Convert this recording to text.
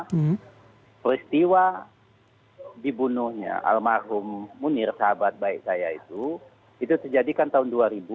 pertama peristiwa dibunuhnya almarhum munir sahabat baik saya itu itu terjadikan tahun dua ribu empat